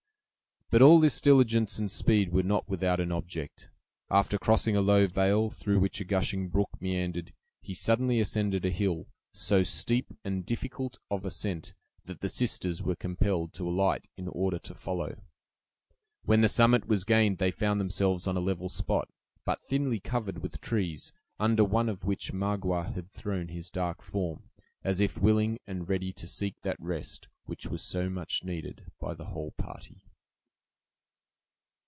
But all this diligence and speed were not without an object. After crossing a low vale, through which a gushing brook meandered, he suddenly ascended a hill, so steep and difficult of ascent, that the sisters were compelled to alight in order to follow. When the summit was gained, they found themselves on a level spot, but thinly covered with trees, under one of which Magua had thrown his dark form, as if willing and ready to seek that rest which was so much needed by the whole party.